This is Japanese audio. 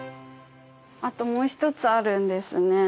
あともう一つあるんですね。